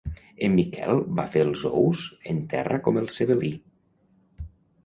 En Miquel va fer els ous en terra com el sebel·lí.